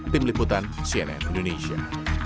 tim liputan cnn indonesia